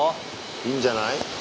いいんじゃない？